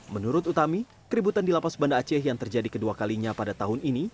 menurut utami keributan di lapas banda aceh yang terjadi kedua kalinya pada tahun ini